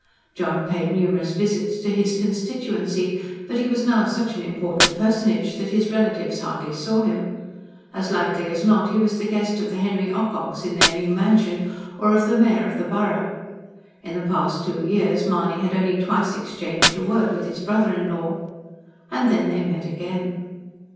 John paid numerous visits to his constituency; but he was now such an important personage that his relatives hardly saw him. As likely as not he was the guest of the Henry Ococks in their new mansion, or of the mayor of the borough. In the past two years Mahony had only twice exchanged a word with his brother in law. And then they met again.